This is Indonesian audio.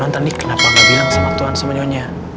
non tadi kenapa gak bilang sama tuhan semuanya